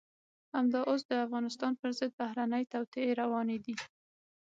همدا اوس د افغانستان په ضد بهرنۍ توطئې روانې دي.